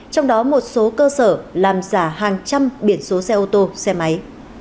trong đó một số cơ sở làm giả hàng trăm biển số xe ô tô xe máy